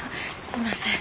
すいません。